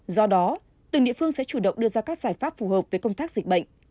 do đó từng địa phương sẽ chủ động đưa ra các giải pháp phù hợp với công tác dịch bệnh